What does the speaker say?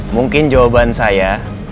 mungkin jawaban saya